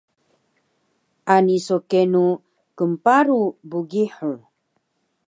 Ani so kenu knparu bgihur